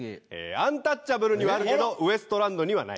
アンタッチャブルにはあるけどウエストランドにはない。